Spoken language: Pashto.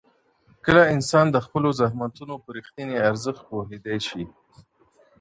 کله انسان د خپلو زحمتونو په رښتیني ارزښت پوهېدی سي؟